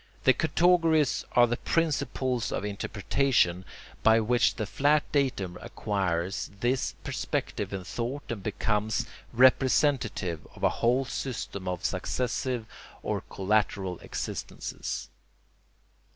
The categories are the principles of interpretation by which the flat datum acquires this perspective in thought and becomes representative of a whole system of successive or collateral existences.